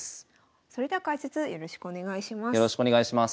それでは解説よろしくお願いします。